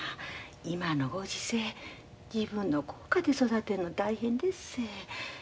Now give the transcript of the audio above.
今のご時世自分の子かて育てるの大変でっせ。